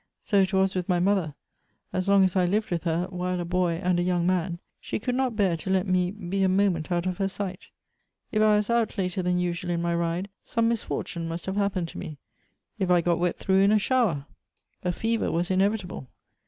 So it was with ray mother — as long I lived with her, while a boy and a young man, she could not bear to let me be a moment out of her sight. If I was out later than usual in my ride, some misfortune must have hap pened to me. If I got wet through in a shower, a fever was inevit.able.